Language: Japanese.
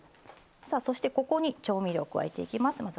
そして、ここに調味料を加えていきます。